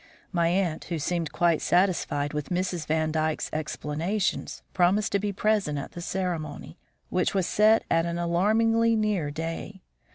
My aunt, who seemed quite satisfied with Mrs. Vandyke's explanations, promised to be present at the ceremony, which was set at an alarmingly near day.